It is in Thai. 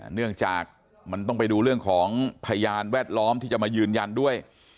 เนื่องจากมันต้องไปดูเรื่องของพยานแวดล้อมที่จะมายืนยันด้วย